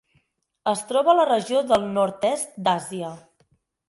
Es troba a la regió del Nord-est d'Àsia.